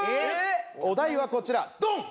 お題はこちらドン！